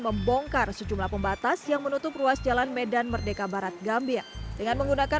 membongkar sejumlah pembatas yang menutup ruas jalan medan merdeka barat gambir dengan menggunakan